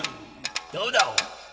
「どうだ！